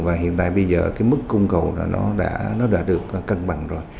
và hiện tại bây giờ mức cung cầu đã được cân bằng